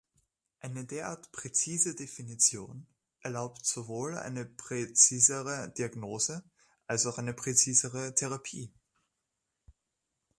Eine derartig präzise Definition erlaubt sowohl eine präzisere Diagnose als auch eine präzisere Therapie.